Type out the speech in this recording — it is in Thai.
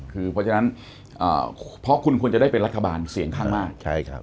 คือเพราะฉะนั้นเพราะคุณควรจะได้เป็นรัฐบาลเสียงข้างมาก